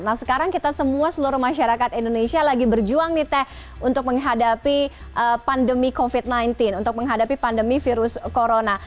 nah sekarang kita semua seluruh masyarakat indonesia lagi berjuang nih teh untuk menghadapi pandemi covid sembilan belas untuk menghadapi pandemi virus corona